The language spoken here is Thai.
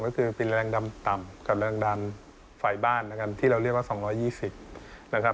ก็คือเป็นแรงดันต่ำกับแรงดันไฟบ้านที่เราเรียกว่า๒๒๐